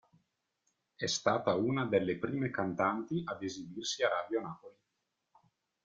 È stata una delle prime cantanti ad esibirsi a Radio Napoli.